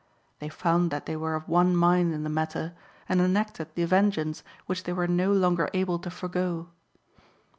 They found that they were of one mind in the matter, and enacted (7) the vengeance which they were no longer able to forego.